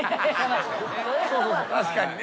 確かにね。